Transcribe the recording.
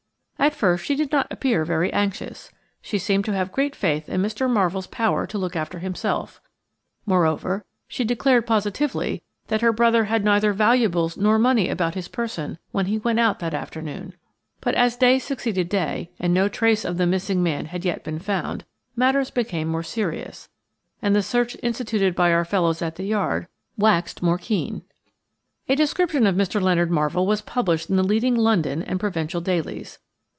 At first she did not appear very anxious; she seemed to have great faith in Mr. Marvell's power to look after himself; moreover, she declared positively that her brother had neither valuables nor money about his person when he went out that afternoon. But as day succeeded day and no trace of the missing man had yet been found, matters became more serious, and the search instituted by our fellows at the Yard waxed more keen. A description of Mr. Leonard Marvell was published in the leading London and provincial dailies.